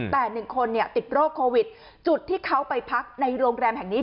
แต่๑คนติดโรคโควิดจุดที่เขาไปพักในโรงแรมแห่งนี้